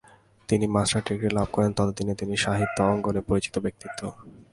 তিনি masters degree লাভ করেন ততদিনে তিনি সাহিত্য অঙ্গনে পরিচিত ব্যক্তিত্ব।